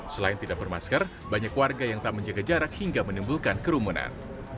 selain tidak bermasker banyak warga yang tak menjaga jarak hingga menimbulkan kerumunan